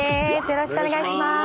よろしくお願いします。